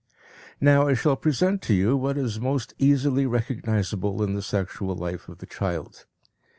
Now I shall present to you what is most easily recognizable in the sexual life of the child.